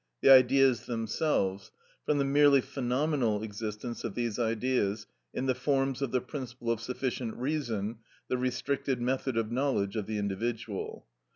_, the Ideas themselves, from the merely phenomenal existence of these Ideas in the forms of the principle of sufficient reason, the restricted method of knowledge of the individual.